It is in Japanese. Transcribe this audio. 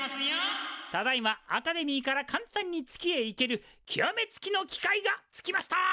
ただいまアカデミーから簡単に月へ行けるきわめつきの機械がツキました！